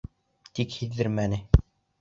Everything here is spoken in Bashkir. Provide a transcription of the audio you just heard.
Тик һиҙҙермәне.